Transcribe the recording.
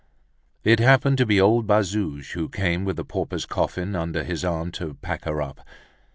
It happened to be old Bazouge who came with the pauper's coffin under his arm to pack her up.